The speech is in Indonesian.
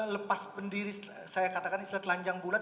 lepas pendiri saya katakan islet lanjang bulat